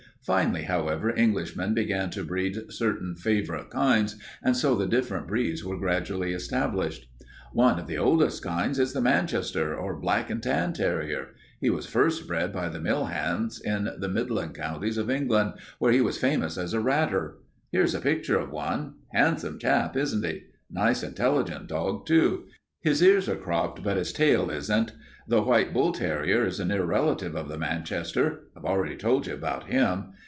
Finally, however, Englishmen began to breed certain favorite kinds, and so the different breeds were gradually established. "One of the oldest kinds is the Manchester or black and tan terrier. He was first bred by the mill hands in the Midland counties of England where he was famous as a ratter. Here's a picture of one. Handsome chap, isn't he? Nice, intelligent dog, too. His ears are cropped but his tail isn't. The white bull terrier is a near relative of the Manchester. I've already told you about him.